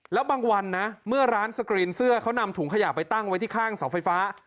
แล้วบางวันนะเมื่อร้านสกรีนเสื้อเขานำถุงขยะไปตั้งไว้ที่ข้างเสาไฟฟ้า